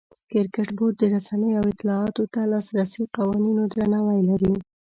کرکټ بورډ د رسنیو او اطلاعاتو ته د لاسرسي قوانینو ته درناوی لري.